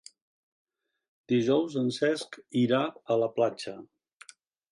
Dijous en Cesc irà a la platja.